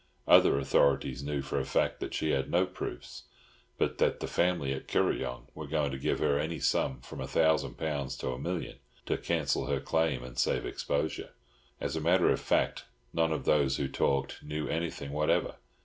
Other authorities knew for a fact that she had no proofs, but that the family at Kuryong were going to give her any sum from a thousand pounds to a million, to cancel her claim and save exposure. As a matter of fact, none of those who talked knew anything whatever.